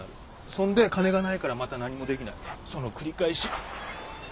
そんで金がないからまた何もできなくなるその繰り返し。